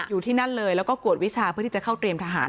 อยู่ที่นั่นเลยแล้วก็กวดวิชาเพื่อที่จะเข้าเตรียมทหาร